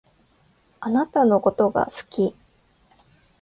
あなたのことが好き